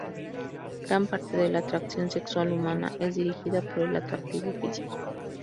Gran parte de la atracción sexual humana es dirigida por el atractivo físico.